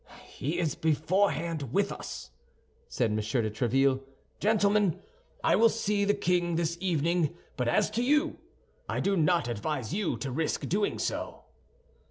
'" "He is beforehand with us," said M. de Tréville. "Gentlemen, I will see the king this evening; but as to you, I do not advise you to risk doing so."